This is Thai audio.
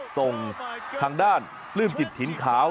ส่งทางด้านปลื้มจิตถิ่นขาว